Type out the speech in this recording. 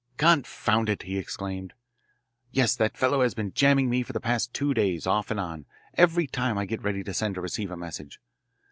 "Confound it!" he exclaimed. "Yes, that fellow has been jamming me for the past two days off and on, every time I get ready to send or receive a message.